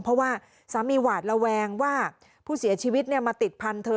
เพราะว่าสามีหวาดระแวงว่าผู้เสียชีวิตมาติดพันธุ์